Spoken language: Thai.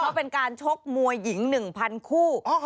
เขาเป็นการชกมวยหญิงหนึ่งพันคู่